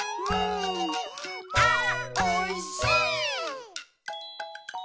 あおいしい！